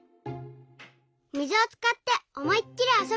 水をつかっておもいっきりあそびたい！